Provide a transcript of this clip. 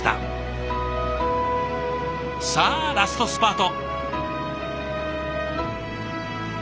さあラストスパート。